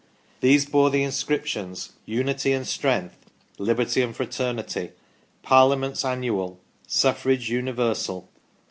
These bore the inscriptions :" Unity and Strength ";" Liberty and Fraternity"; "Parliaments Annual"; "Suffrage Universal".